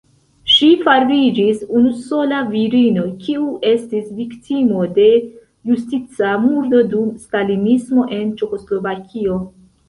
Ŝi fariĝis unusola virino, kiu estis viktimo de justica murdo dum stalinismo en Ĉeĥoslovakio.